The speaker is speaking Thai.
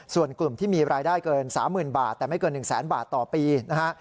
ส่วนกลุ่มที่มีรายได้เกิน๓๐๐๐บาทแต่ไม่เกิน๑แสนบาทต่อปีนะฮะ